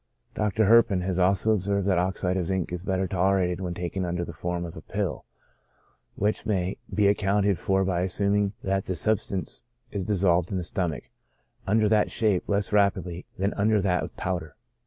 Dr. Herpin has also observed that oxide of zinc is better tolerated when taken under the form of a pill, which may be accounted for by assuming that the substance is dissolved in the stomach, under that shape, less rapidly than under that of powder.